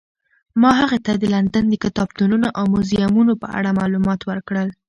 ما هغې ته د لندن د کتابتونونو او موزیمونو په اړه معلومات ورکړل.